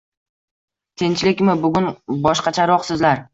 – Tinchlikmi? Bugun boshqacharoqsizlar.